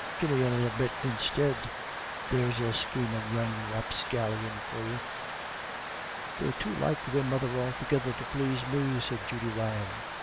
'Gimme 'noder bit instid.' There's a schemin' young rapscallion for you!" "They're too like their mother altogether to plase me," said Judy Ryan.